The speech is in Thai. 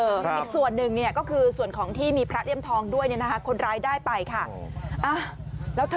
อีกส่วนหนึ่งก็คือที่มีพระเลี่ยมทองด้วยคนร้ายได้ไปค่ะ